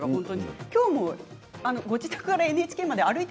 今日もご自宅からＮＨＫまで歩いて。